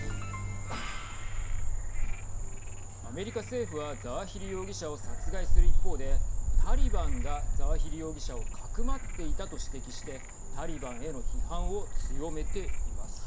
アメリカ政府はザワヒリ容疑者を殺害する一方でタリバンがザワヒリ容疑者をかくまっていたと指摘してタリバンへの批判を強めています。